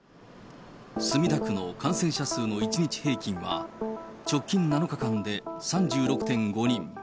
墨田区の感染者数の１日平均は、直近７日間で３６．５人。